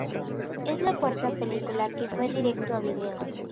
Es la cuarta película que fue directo a video.